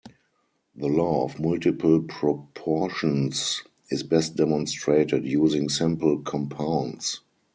The law of multiple proportions is best demonstrated using simple compounds.